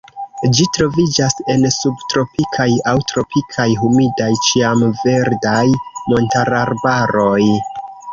Ĝi troviĝas en subtropikaj aŭ tropikaj humidaj ĉiamverdaj montararbaroj.